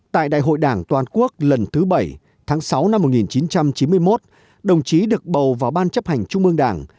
tại đại hội đảng toàn quốc lần thứ bảy tháng sáu năm một nghìn chín trăm chín mươi một đồng chí được bầu vào ban chấp hành trung ương đảng